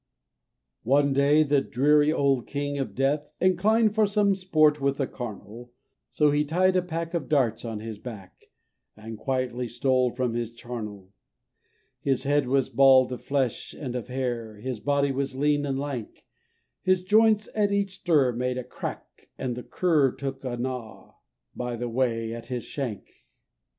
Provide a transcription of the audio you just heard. "] One day the dreary old King of Death Inclined for some sport with the carnal, So he tied a pack of darts on his back, And quietly stole from his charnel. His head was bald of flesh and of hair, His body was lean and lank, His joints at each stir made a crack, and the cur Took a gnaw, by the way, at his shank.